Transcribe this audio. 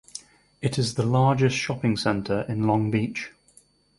It is the largest shopping center in Long Beach.